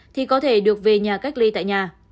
thì có thể được về nhà cách ly tại nhà